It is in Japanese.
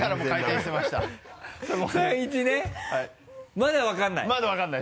まだ分からない。